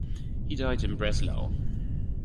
He died in Breslau.